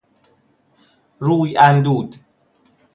روی اندود